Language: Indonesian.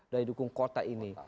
daya dukung kota ini